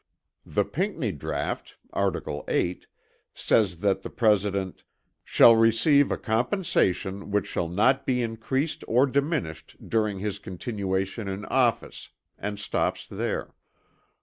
The Pinckney draught (art. 8) says that the President "shall receive a compensation which shall not be increased or diminished during his continuation in office" and stops there.